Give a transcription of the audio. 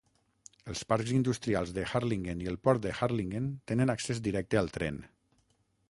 Els parcs industrials de Harlingen i el port de Harlingen tenen accés directe al tren.